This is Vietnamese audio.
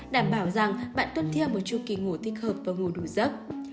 tám đảm bảo rằng bạn tuân theo một chung kỳ ngủ thích hợp và ngủ đủ giấc